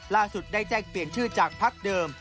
ได้แจ้งเปลี่ยนชื่อจากพักเดิม